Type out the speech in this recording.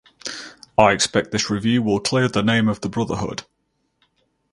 I expect this review will clear the name of the Brotherhood.